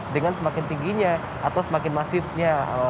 dengan semakin tingginya atau semakin masifnya